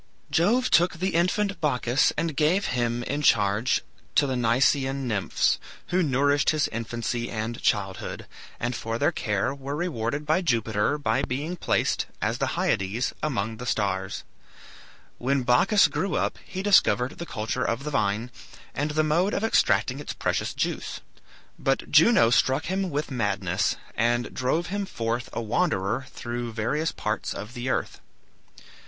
Jove took the infant Bacchus and gave him in charge to the Nysaean nymphs, who nourished his infancy and childhood, and for their care were rewarded by Jupiter by being placed, as the Hyades, among the stars. When Bacchus grew up he discovered the culture of the vine and the mode of extracting its precious juice; but Juno struck him with madness, and drove him forth a wanderer through various parts of the earth.